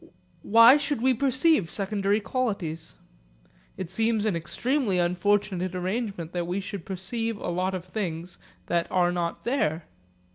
Why should we perceive secondary qualities? It seems an extremely unfortunate arrangement that we should perceive a lot of things that are not there.